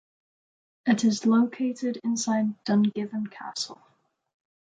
It is located inside Dungiven Castle.